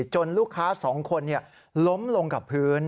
จนลูกค้าสองคนเนี่ยล้มลงกับพื้น